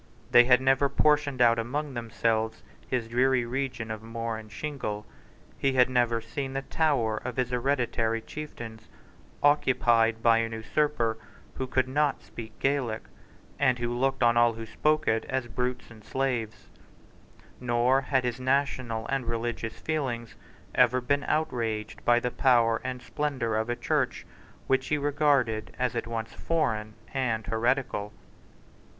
They had never portioned out among themselves his dreary region of moor and shingle. He had never seen the tower of his hereditary chieftains occupied by an usurper who could not speak Gaelic, and who looked on all who spoke it as brutes and slaves; nor had his national and religious feelings ever been outraged by the power and splendour of a church which he regarded as at once foreign and heretical.